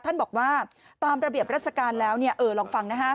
ท่านบอกว่าตามระเบียบราชการแล้วเนี่ยเออลองฟังนะฮะ